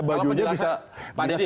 pak didi kalau penjelasannya begini